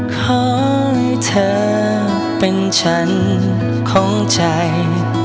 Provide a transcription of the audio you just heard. ขอให้เธอเป็นฉันของใจ